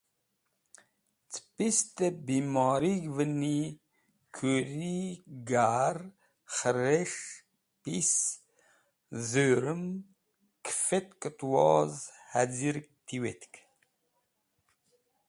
Ce pistẽ bimorig̃hvẽni kuri, gar, kheres̃h, pis, dhũrm, kẽfakẽt woz haz̃ig tiwetk.